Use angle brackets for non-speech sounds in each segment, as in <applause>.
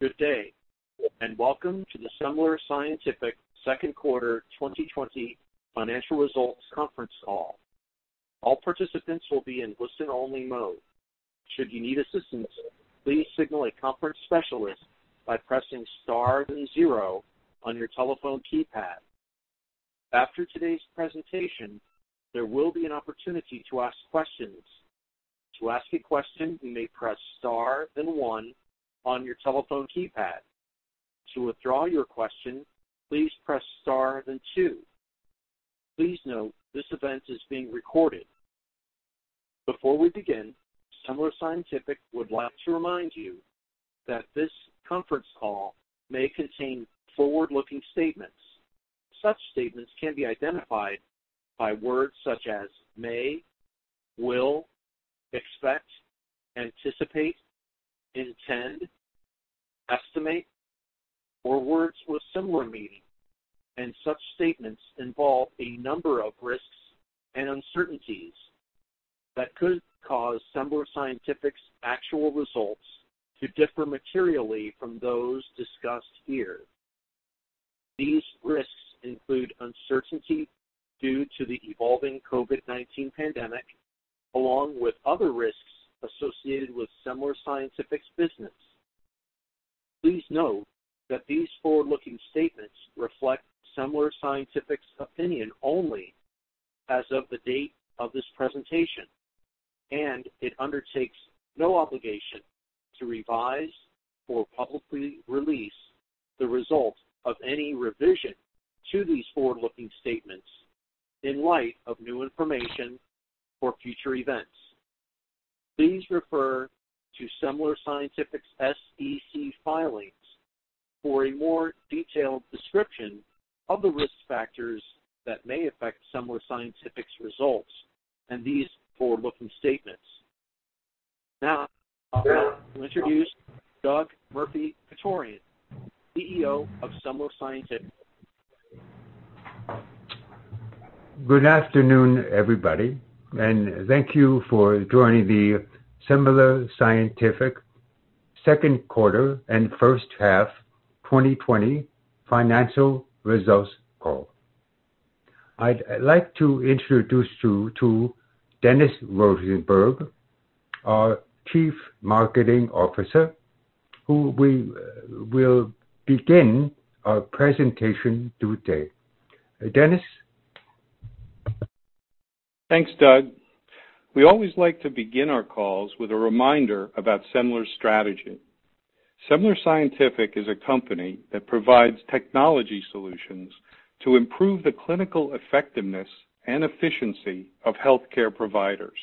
Good day, welcome to the Semler Scientific Second Quarter 2020 Financial Results Conference Call. All participants will be in listen-only mode. Should you need assistance, please signal a conference specialist by pressing star and zero on your telephone keypad. After today's presentation, there will be an opportunity to ask questions. To ask a question, you may press star then one on your telephone keypad. To withdraw your question, please press star then two. Please note this event is being recorded. Before we begin, Semler Scientific would like to remind you that this conference call may contain forward-looking statements. Such statements can be identified by words such as may, will, expect, anticipate, intend, estimate, or words with similar meaning. Such statements involve a number of risks and uncertainties that could cause Semler Scientific's actual results to differ materially from those discussed here. These risks include uncertainty due to the evolving COVID-19 pandemic, along with other risks associated with Semler Scientific's business. Please note that these forward-looking statements reflect Semler Scientific's opinion only as of the date of this presentation, and it undertakes no obligation to revise or publicly release the results of any revision to these forward-looking statements in light of new information or future events. Please refer to Semler Scientific's SEC filings for a more detailed description of the risk factors that may affect Semler Scientific's results and these forward-looking statements. I'd like to introduce Doug Murphy-Chutorian, CEO of Semler Scientific. Good afternoon, everybody. Thank you for joining the Semler Scientific second quarter and first half 2020 financial results call. I'd like to introduce you to Dennis Rosenberg, our Chief Marketing Officer, who will begin our presentation today. Dennis? Thanks, Doug. We always like to begin our calls with a reminder about Semler's strategy. Semler Scientific is a company that provides technology solutions to improve the clinical effectiveness and efficiency of healthcare providers.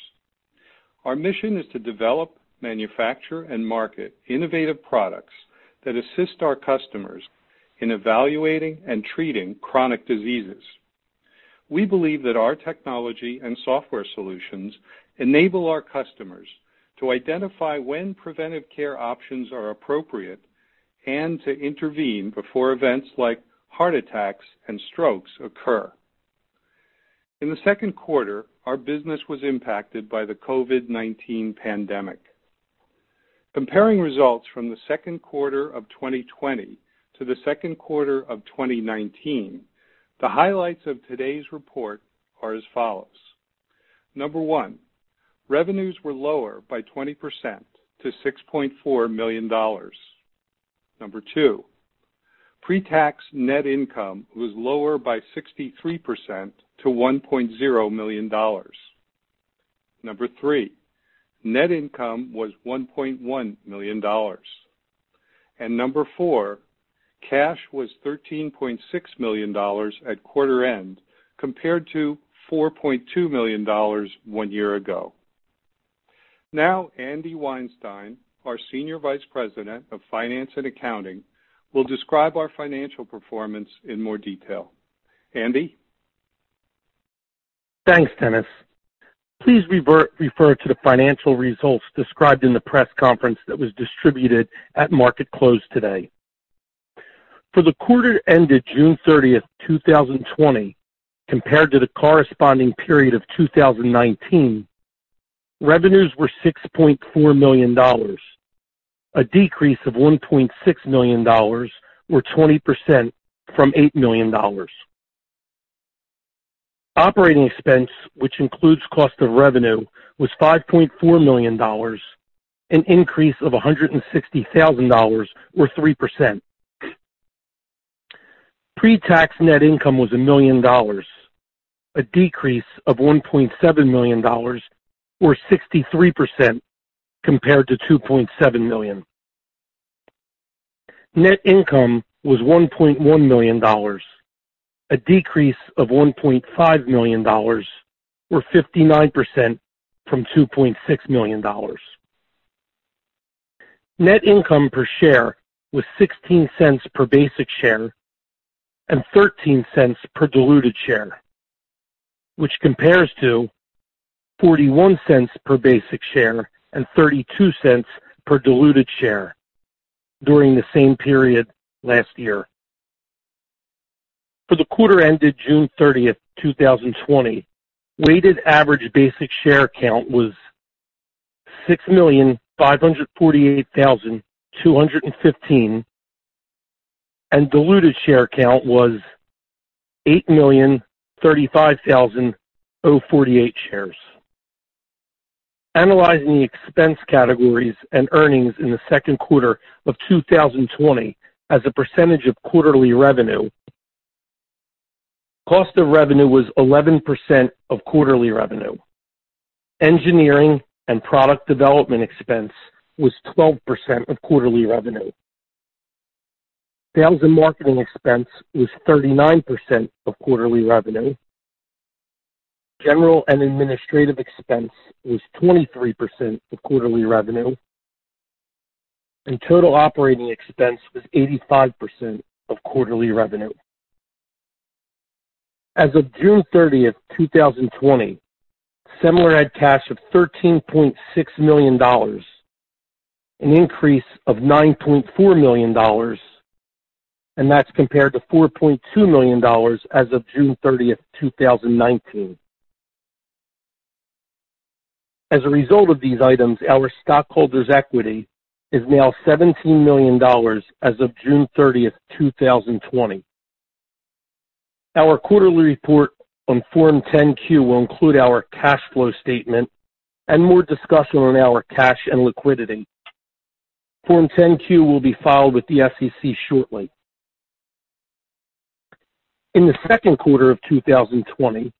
Our mission is to develop, manufacture, and market innovative products that assist our customers in evaluating and treating chronic diseases. We believe that our technology and software solutions enable our customers to identify when preventive care options are appropriate and to intervene before events like heart attacks and strokes occur. In the second quarter, our business was impacted by the COVID-19 pandemic. Comparing results from the second quarter of 2020 to the second quarter of 2019, the highlights of today's report are as follows. Number one, revenues were lower by 20% to $6.4 million. Number two, pre-tax net income was lower by 63% to $1.0 million. Number three, net income was $1.1 million. Number four, cash was $13.6 million at quarter end, compared to $4.2 million one year ago. Now, Andy Weinstein, our Senior Vice President of Finance & Accounting, will describe our financial performance in more detail. Andy? Thanks, Dennis. Please refer to the financial results described in the press release that was distributed at market close today. For the quarter ended June 30th, 2020 compared to the corresponding period of 2019, revenues were $6.4 million, a decrease of $1.6 million or 20% from $8 million. Operating expense, which includes cost of revenue, was $5.4 million, an increase of $167,000 or 3%. Pre-tax net income was $1 million, a decrease of $1.7 million or 63% compared to $2.7 million. Net income was $1.1 million, a decrease of $1.5 million or 59% from $2.6 million. Net income per share was $0.16 per basic share and $0.13 per diluted share, which compares to $0.41 per basic share and $0.32 per diluted share during the same period last year. The quarter ended June 30th, 2020. Weighted average basic share count was 6,548,215, and diluted share count was 8,035,048 shares. Analyzing the expense categories and earnings in the second quarter of 2020 as a percentage of quarterly revenue, cost of revenue was 11% of quarterly revenue. Engineering and product development expense was 12% of quarterly revenue. Sales and marketing expense was 39% of quarterly revenue. General and administrative expense was 23% of quarterly revenue, and total operating expense was 85% of quarterly revenue. As of June 30th, 2020, Semler had cash of $13.6 million, an increase of $9.4 million, and that's compared to $4.2 million as of June 30th, 2019. As a result of these items, our stockholders' equity is now $17 million as of June 30th, 2020. Our quarterly report on Form 10-Q will include our cash flow statement and more discussion on our cash and liquidity. Form 10-Q will be filed with the SEC shortly. In the second quarter of 2020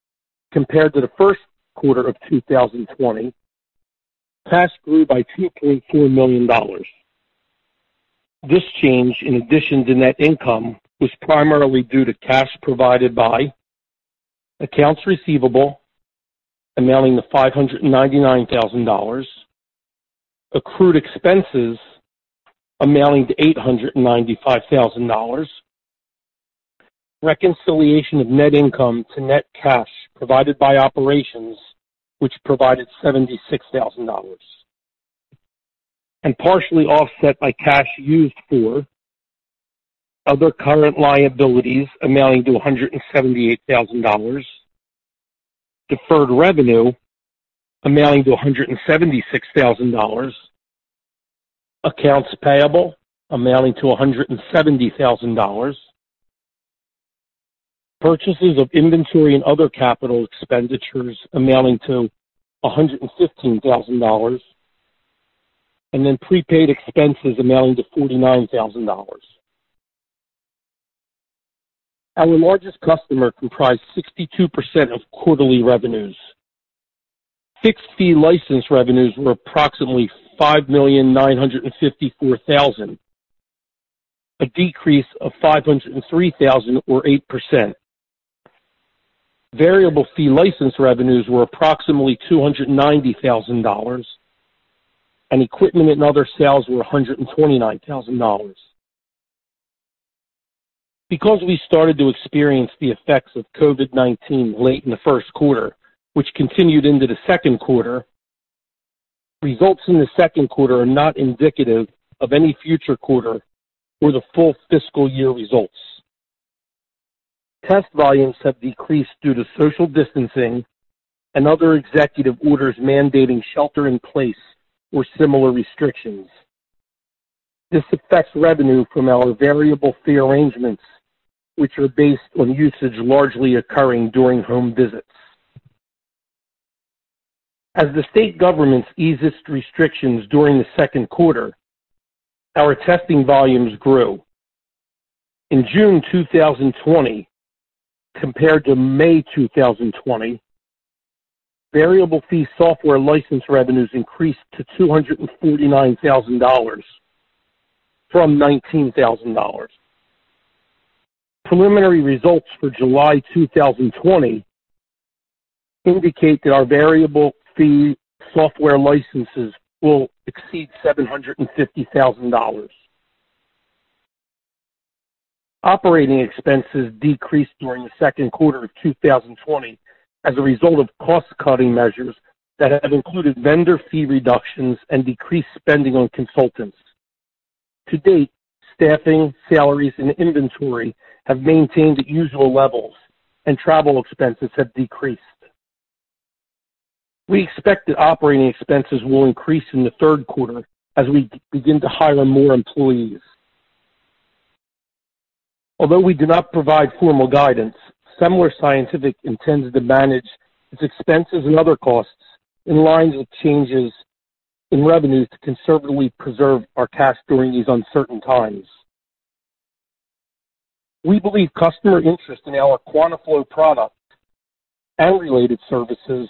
compared to the first quarter of 2020, cash grew by $2.4 million. This change, in addition to net income, was primarily due to cash provided by accounts receivable amounting to $599,000, accrued expenses amounting to $895,000, reconciliation of net income to net cash provided by operations which provided $76,000. Partially offset by cash used for other current liabilities amounting to $278,000, deferred revenue amounting to $276,000, accounts payable amounting to $270,000, purchases of inventory and other capital expenditures amounting to $115,000, and prepaid expenses amounting to $49,000. Our largest customer comprised 62% of quarterly revenues. Fixed-fee license revenues were approximately $5,954,000, a decrease of $503,000 or 8%. Variable fee license revenues were approximately $290,000, and equipment and other sales were $129,000. Because we started to experience the effects of COVID-19 late in the first quarter, which continued into the second quarter, results in the second quarter are not indicative of any future quarter or the full fiscal year results. Test volumes have decreased due to social distancing and other executive orders mandating shelter in place or similar restrictions. This affects revenue from our variable fee arrangements, which are based on usage largely occurring during home visits. As the state governments eased restrictions during the second quarter, our testing volumes grew. In June 2020 compared to May 2020, variable fee software license revenues increased to $249,000 from $19,000. Preliminary results for July 2020 indicate that our variable fee software licenses will exceed $750,000. Operating expenses decreased during the second quarter of 2020 as a result of cost-cutting measures that have included vendor fee reductions and decreased spending on consultants. To date, staffing, salaries, and inventory have maintained usual levels, and travel expenses have decreased. We expect that operating expenses will increase in the third quarter as we begin to hire more employees. Although we do not provide formal guidance, Semler Scientific intends to manage its expenses and other costs in line with changes in revenues to conservatively preserve our cash during these uncertain times. We believe customer interest in our QuantaFlo product and related services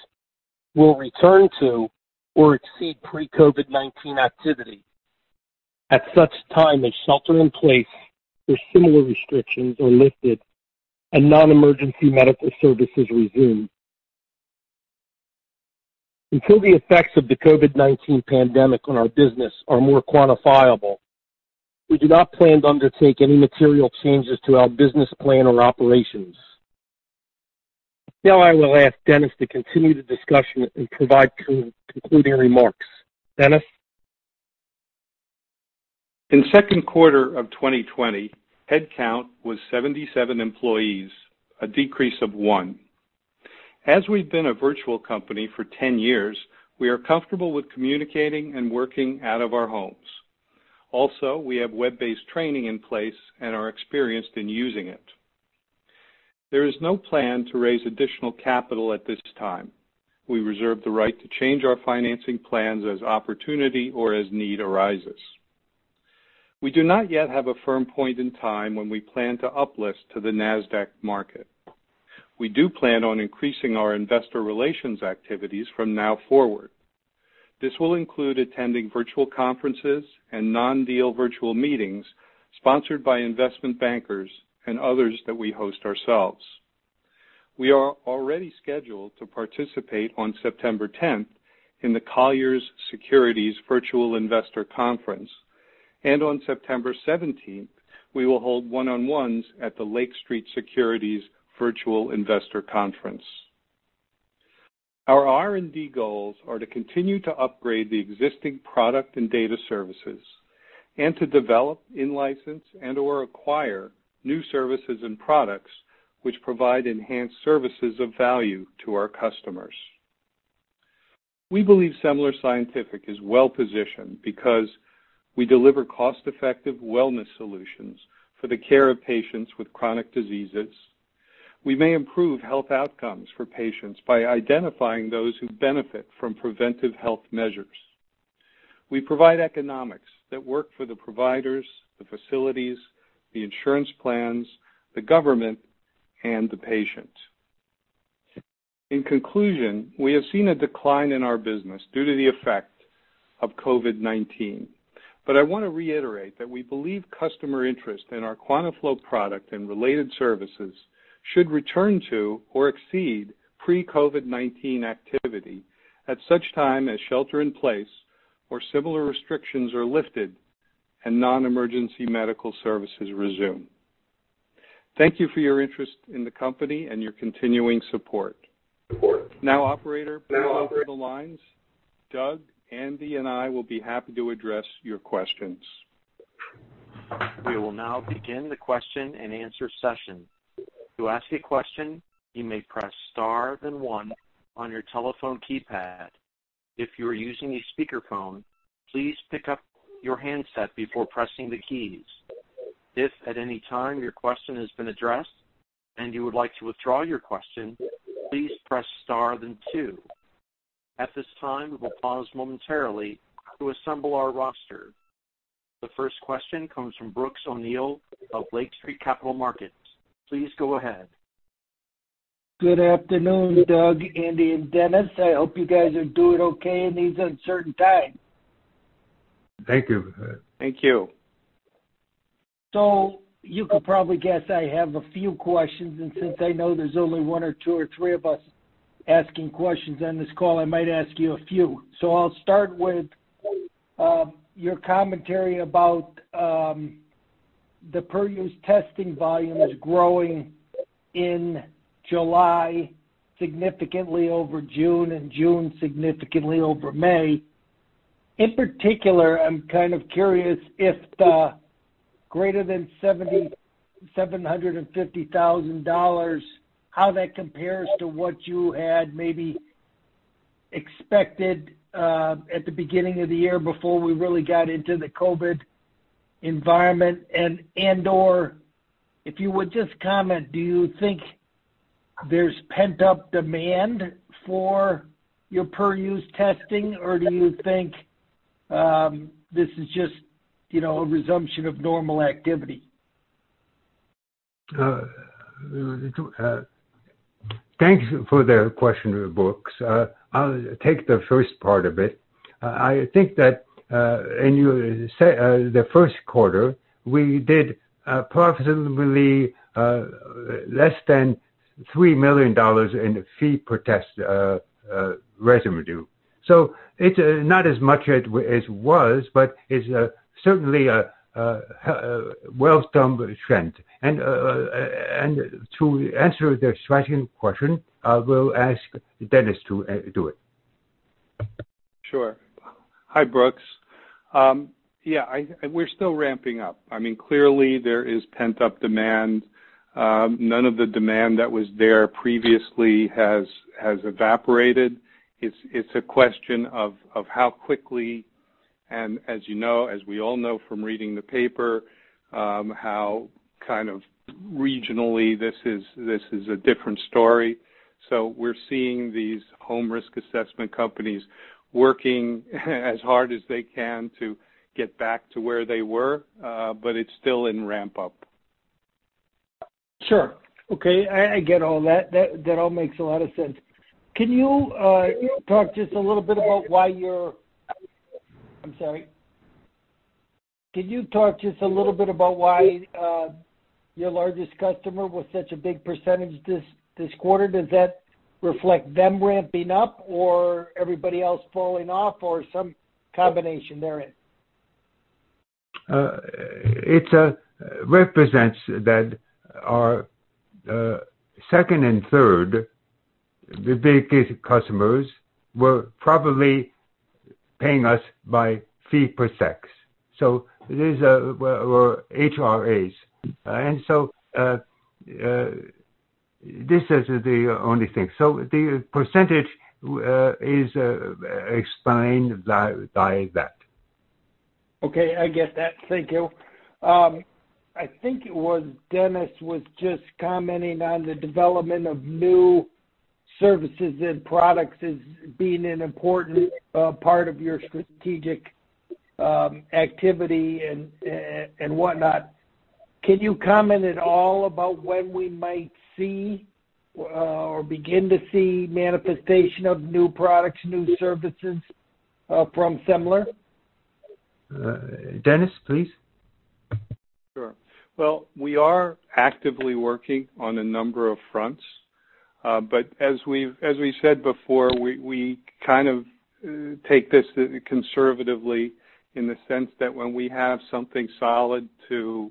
will return to or exceed pre-COVID-19 activity at such time as shelter in place or similar restrictions are lifted and non-emergency medical services resume. Until the effects of the COVID-19 pandemic on our business are more quantifiable, we do not plan to undertake any material changes to our business plan or operations. Now, I will ask Dennis to continue the discussion and provide concluding remarks. Dennis? In the second quarter of 2020, headcount was 77 employees, a decrease of one. We've been a virtual company for 10 years, we are comfortable with communicating and working out of our homes. We have web-based training in place and are experienced in using it. There is no plan to raise additional capital at this time. We reserve the right to change our financing plans as opportunity or as need arises. We do not yet have a firm point in time when we plan to uplist to the Nasdaq market. We do plan on increasing our investor relations activities from now forward. This will include attending virtual conferences and non-deal virtual meetings sponsored by investment bankers and others that we host ourselves. We are already scheduled to participate on September 10th in the Colliers Securities Virtual Investor Conference, and on September 17th, we will hold one-on-ones at the Lake Street Capital Markets Virtual Investor Conference. Our R&D goals are to continue to upgrade the existing product and data services and to develop, in-license, and/or acquire new services and products which provide enhanced services of value to our customers. We believe Semler Scientific is well-positioned because we deliver cost-effective wellness solutions for the care of patients with chronic diseases. We may improve health outcomes for patients by identifying those who benefit from preventive health measures. We provide economics that work for the providers, the facilities, the insurance plans, the government, and the patient. In conclusion, we have seen a decline in our business due to the effect of COVID-19. I want to reiterate that we believe customer interest in our QuantaFlo product and related services should return to or exceed pre-COVID-19 activity at such time as shelter in place or similar restrictions are lifted and non-emergency medical services resume. Thank you for your interest in the company and your continuing support. Now, operator, please open the lines. Doug, Andy, and I will be happy to address your questions. We will now begin the question and answer session. To ask a question, you may press star then one on your telephone keypad. If you are using a speakerphone, please pick up your handset before pressing the keys. If at any time your question has been addressed and you would like to withdraw your question, please press star then two. At this time, we will pause momentarily to assemble our roster. The first question comes from Brooks O'Neil of Lake Street Capital Markets. Please go ahead. Good afternoon, Doug, Andy, and Dennis. I hope you guys are doing okay in these uncertain times. Thank you for that. Thank you. You could probably guess I have a few questions, and since I know there's only one or two or three of us asking questions on this call, I might ask you a few. I'll start with your commentary about the per-use testing volumes growing in July significantly over June and June significantly over May. In particular, I'm kind of curious if the greater than $750,000, how that compares to what you had maybe expected at the beginning of the year before we really got into the COVID-19 environment, and/or if you would just comment, do you think there's pent-up demand for your per-use testing, or do you think this is just a resumption of normal activity? Thank you for the question, Brooks. I'll take the first part of it. I think that in the first quarter, we did approximately less than $3 million in fee-per-test revenue. It's not as much as it was, but it's certainly a well-done trend. To answer the second question, I will ask Dennis to do it. Sure. Hi, Brooks. Yeah, we're still ramping up. Clearly, there is pent-up demand. None of the demand that was there previously has evaporated. It's a question of how quickly, and as you know, as we all know from reading the paper, how kind of regionally this is a different story. We're seeing these home risk assessment companies working as hard as they can to get back to where they were, but it's still in ramp-up. Sure. Okay. I get all that. That all makes a lot of sense. Can you talk just a little bit about why your largest customer was such a big percentage this quarter? Does that reflect them ramping up or everybody else falling off or some combination therein? It represents that our second and third big customers were probably paying us by fee-per-test. These were HRAs. This is the only thing. The percentage is explained by that. Okay, I get that. Thank you. I think it was Dennis was just commenting on the development of new services and products as being an important part of your strategic activity and whatnot. Can you comment at all about when we might see or begin to see manifestation of new products, new services from Semler? Dennis, please. Sure. Well, we are actively working on a number of fronts. As we've said before, we take this conservatively in the sense that when we have something solid to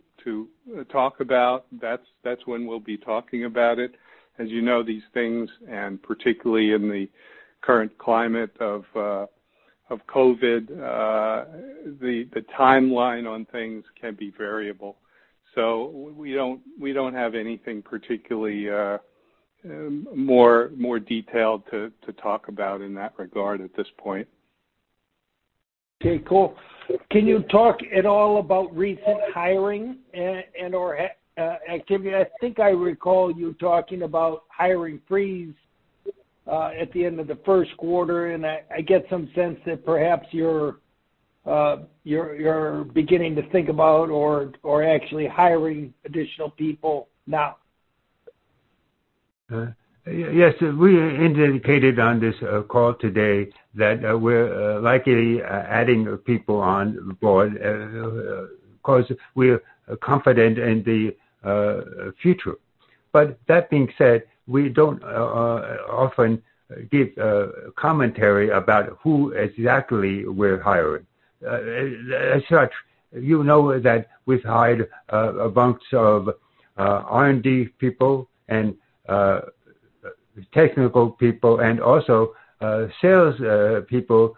talk about, that's when we'll be talking about it. As you know these things, and particularly in the current climate of COVID, the timeline on things can be variable. We don't have anything particularly more detailed to talk about in that regard at this point. Okay, cool. Can you talk at all about recent hiring and/or activity? I think I recall you talking about hiring freeze at the end of the first quarter, and I get some sense that perhaps you're beginning to think about or actually hiring additional people now. Yes. We indicated on this call today that we're likely adding people on board, because we're confident in the future. That being said, we don't often give commentary about who exactly we're hiring. As such, you know that we've hired a bunch of R&D people and technical people and also sales people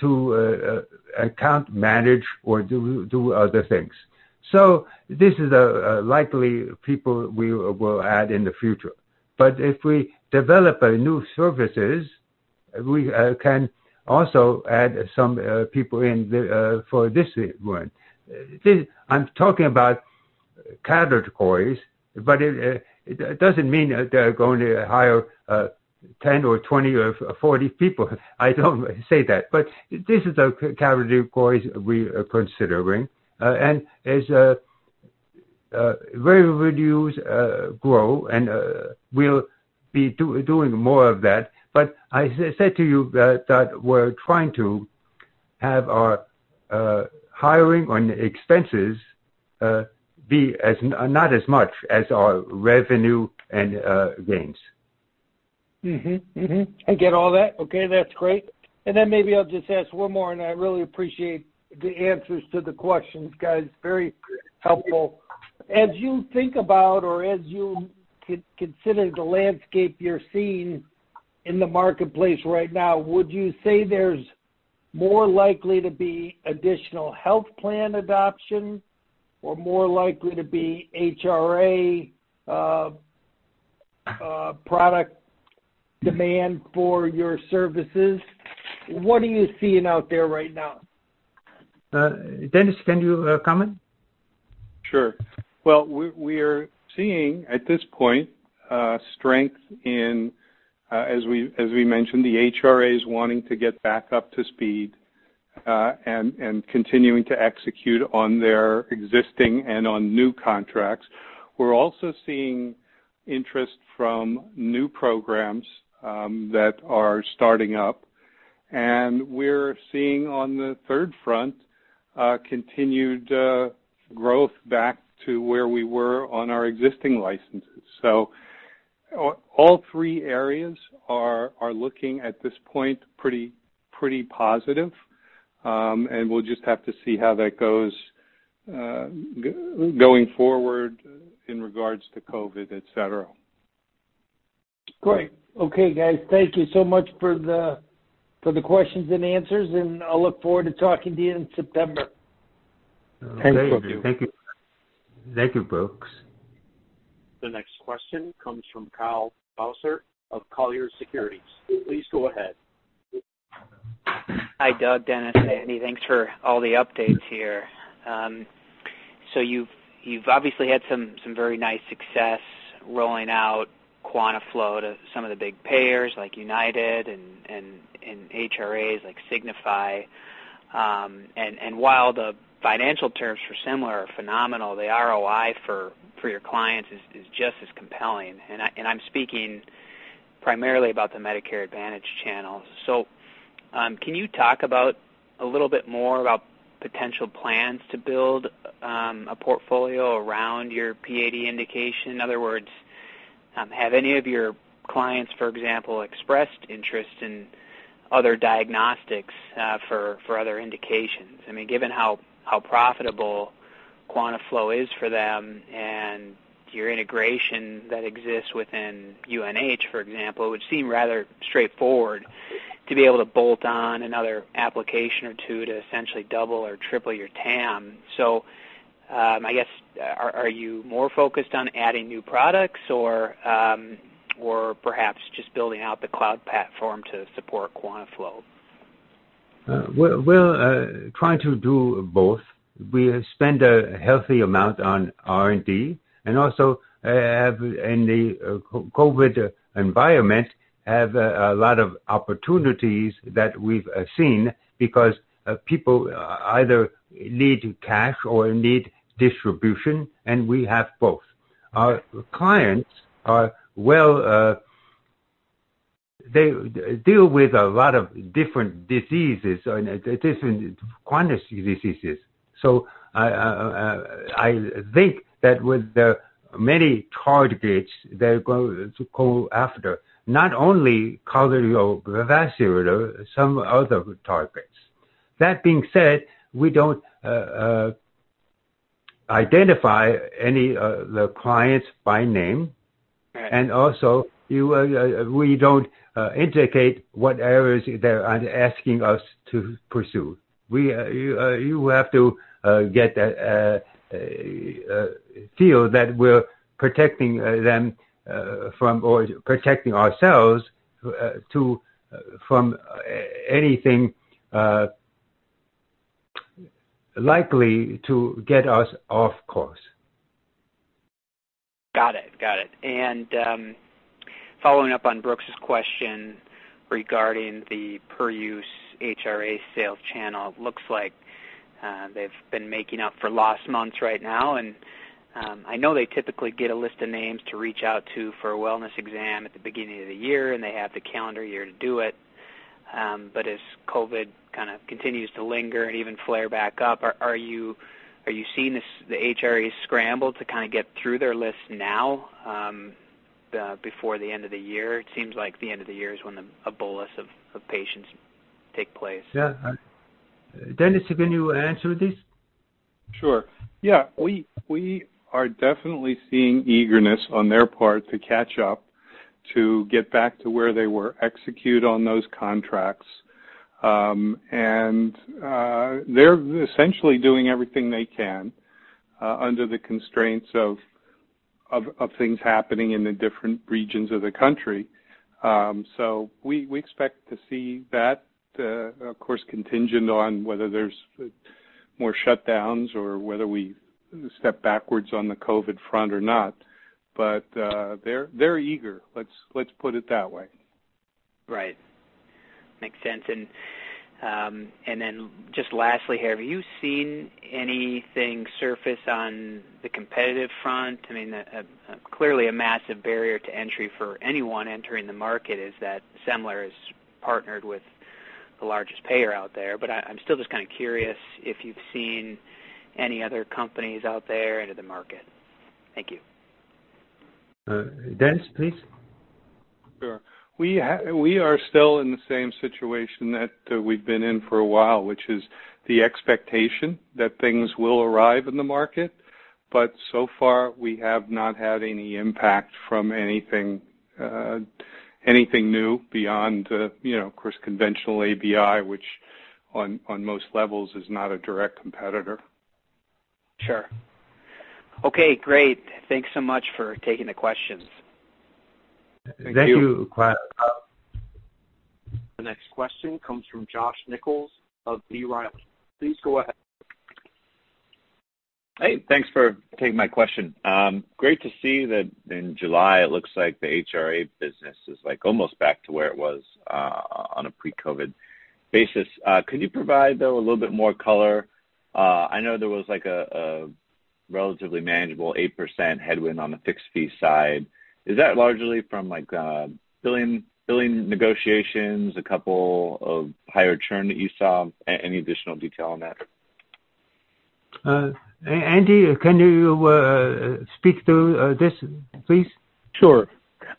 to account manage or do other things. This is likely people we will add in the future. If we develop new services, we can also add some people in for this one. I'm talking about categories, but it doesn't mean that they're going to hire 10 or 20 or 40 people. I don't say that, but this is a category we are considering. As revenues grow, we'll be doing more of that. I said to you that we're trying to have our hiring on expenses be not as much as our revenue and gains. I get all that. Okay, that's great. Maybe I'll just ask one more, and I really appreciate the answers to the questions, guys. Very helpful. As you think about, or as you consider the landscape you're seeing in the marketplace right now, would you say there's more likely to be additional health plan adoption or more likely to be HRA product demand for your services? What are you seeing out there right now? Dennis, can you comment? Sure. Well, we are seeing, at this point, strength in, as we mentioned, the HRAs wanting to get back up to speed, and continuing to execute on their existing and on new contracts. We're also seeing interest from new programs that are starting up. We're seeing on the third front, continued growth back to where we were on our existing licenses. All three areas are looking, at this point, pretty positive. We'll just have to see how that goes going forward in regards to COVID, et cetera. Great. Okay, guys. Thank you so much for the questions and answers, and I'll look forward to talking to you in September. Thank you. Thank you. Thank you, Brooks. The next question comes from Kyle Bauser of Colliers Securities. Please go ahead. Hi, Doug, Dennis, Andy. Thanks for all the updates here. You've obviously had some very nice success rolling out QuantaFlo to some of the big payers like United and HRAs like Signify. While the financial terms for Semler are phenomenal, the ROI for your clients is just as compelling. I'm speaking primarily about the Medicare Advantage channels. Can you talk about a little bit more about potential plans to build a portfolio around your PAD indication? In other words, have any of your clients, for example, expressed interest in other diagnostics, for other indications? I mean, given how profitable QuantaFlo is for them and your integration that exists within UNH, for example, it would seem rather straightforward to be able to bolt on another application or two to essentially double or triple your TAM. I guess, are you more focused on adding new products or perhaps just building out the cloud platform to support QuantaFlo? We're trying to do both. We spend a healthy amount on R&D, and also have, in the COVID environment, have a lot of opportunities that we've seen because people either need cash or need distribution, and we have both. Our clients deal with a lot of different diseases and different chronic diseases. I think that with the many targets they're going to go after, not only cardiovascular, some other targets. That being said, we don't identify any of the clients by name. Right. Also, we don't indicate what areas they're asking us to pursue. You have to get a feel that we're protecting them from, or protecting ourselves from anything likely to get us off course. Got it. Following up on Brooks's question regarding the per-use HRA sales channel, looks like they've been making up for lost months right now, and I know they typically get a list of names to reach out to for a wellness exam at the beginning of the year, and they have the calendar year to do it. As COVID kind of continues to linger and even flare back up, are you seeing the HRAs scramble to kind of get through their list now, before the end of the year? It seems like the end of the year is when a bolus of patients take place. Yeah. Dennis, can you answer this? Sure. Yeah. We are definitely seeing eagerness on their part to catch up, to get back to where they were, execute on those contracts. They're essentially doing everything they can under the constraints of things happening in the different regions of the country. We expect to see that, of course, contingent on whether there's more shutdowns or whether we step backwards on the COVID-19 front or not. They're eager, let's put it that way. Right. Makes sense. Just lastly here, have you seen anything surface on the competitive front? I mean, clearly a massive barrier to entry for anyone entering the market is that Semler is partnered with the largest payer out there, but I'm still just kind of curious if you've seen any other companies out there into the market. Thank you. Dennis, please. Sure. We are still in the same situation that we've been in for a while, which is the expectation that things will arrive in the market. So far, we have not had any impact from anything new beyond, of course, conventional ABI, which on most levels is not a direct competitor. Sure. Okay, great. Thanks so much for taking the questions. Thank you. Thank you. The next question comes from Josh Nichols of B. Riley. Please go ahead. Hey. Thanks for taking my question. Great to see that in July, it looks like the HRA business is almost back to where it was on a pre-COVID basis. Could you provide, though, a little bit more color? I know there was a relatively manageable 8% headwind on the fixed fee side. Is that largely from billing negotiations, a couple of higher churn that you saw? Any additional detail on that? Andy, can you speak to this, please? Sure.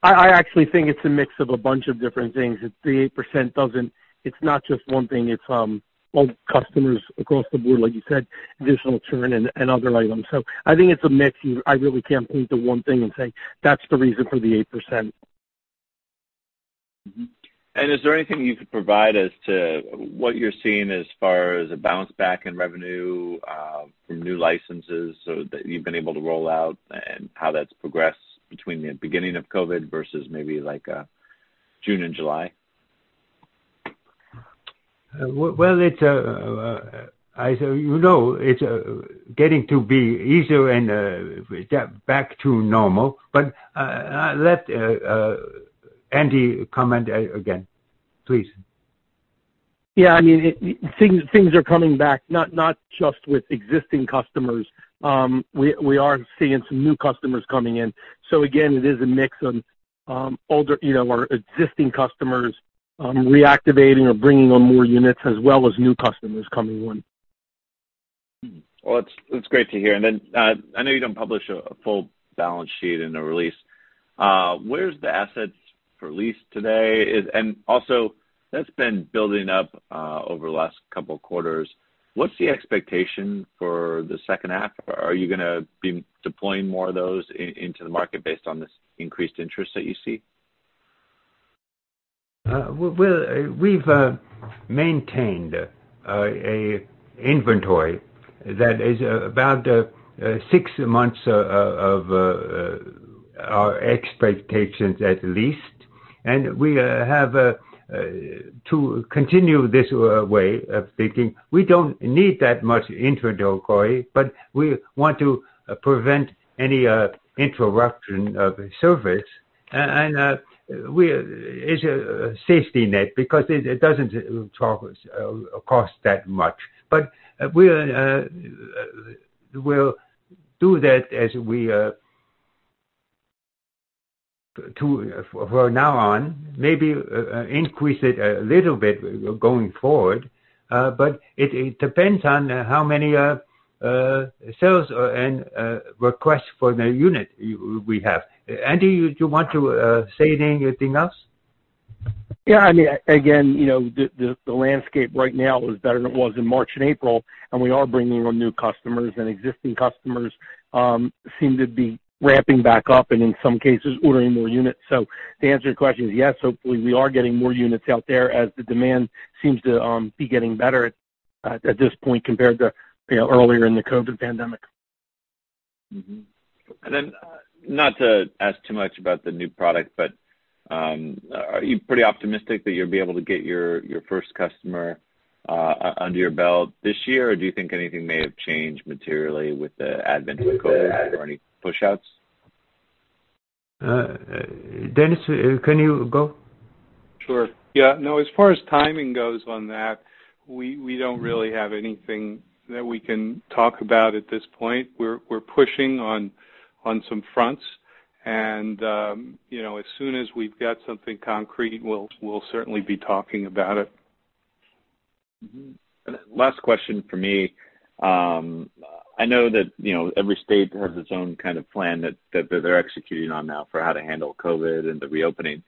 I actually think it's a mix of a bunch of different things. The 8%, it's not just one thing. It's old customers across the board, like you said, additional churn and other items. I think it's a mix. I really can't point to one thing and say that's the reason for the 8%. Mm-hmm. Is there anything you could provide as to what you're seeing as far as a bounce back in revenue from new licenses, so that you've been able to roll out and how that's progressed between the beginning of COVID versus maybe June and July? Well, you know, it's getting to be easier and back to normal. Let Andy comment again, please. Things are coming back, not just with existing customers. We are seeing some new customers coming in. Again, it is a mix of older or existing customers reactivating or bringing on more units, as well as new customers coming on. Well, that's great to hear. I know you don't publish a full balance sheet in the release. Where's the assets for lease today? That's been building up over the last couple of quarters. What's the expectation for the second half? Are you going to be deploying more of those into the market based on this increased interest that you see? Well, we've maintained an inventory that is about six months of our expectations, at least. We have to continue this way of thinking. We don't need that much inventory, but we want to prevent any interruption of service, and it's a safety net because it doesn't cost that much. We'll do that from now on, maybe increase it a little bit going forward. It depends on how many sales and requests for the unit we have. Andy, do you want to say anything else? Yeah. Again, the landscape right now is better than it was in March and April, and we are bringing on new customers, and existing customers seem to be ramping back up and, in some cases, ordering more units. To answer your question, yes, hopefully we are getting more units out there as the demand seems to be getting better at this point compared to earlier in the COVID pandemic. Not to ask too much about the new product, but are you pretty optimistic that you'll be able to get your first customer under your belt this year, or do you think anything may have changed materially with the advent of COVID or any pushouts? Dennis, can you go? Sure. Yeah. No, as far as timing goes on that, we don't really have anything that we can talk about at this point. We're pushing on some fronts and as soon as we've got something concrete, we'll certainly be talking about it. Mm-hmm. Last question from me. I know that every state has its own kind of plan that they're executing on now for how to handle COVID and the reopening.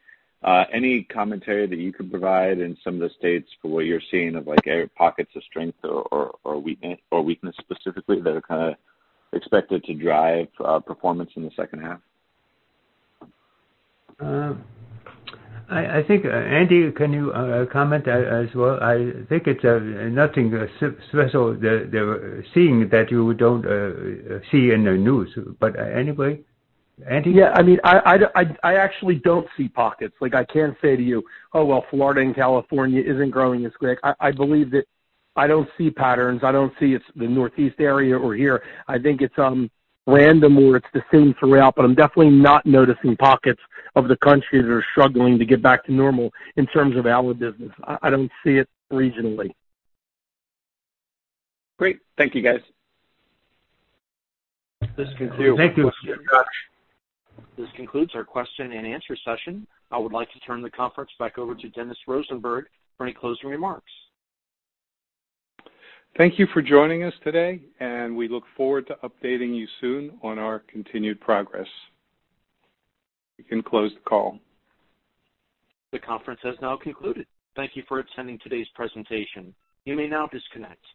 Any commentary that you can provide in some of the states for what you're seeing of pockets of strength or weakness specifically that are kind of expected to drive performance in the second half? I think, Andy, can you comment as well? I think it's nothing special they're seeing that you don't see in the news. Anyway, Andy? I actually don't see pockets. I can't say to you, "Oh, well, Florida and California isn't growing as quick." I believe that I don't see patterns. I don't see it's the Northeast area or here. I think it's random, or it's the same throughout, but I'm definitely not noticing pockets of the country that are struggling to get back to normal in terms of our business. I don't see it regionally. Great. Thank you, guys. Thank you. This concludes- <crosstalk> Thank you. This concludes our question and answer session. I would like to turn the conference back over to Dennis Rosenberg for any closing remarks. Thank you for joining us today. We look forward to updating you soon on our continued progress. You can close the call. The conference has now concluded. Thank you for attending today's presentation. You may now disconnect.